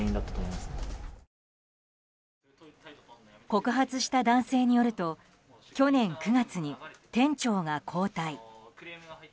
告発した男性によると去年９月に店長が交代。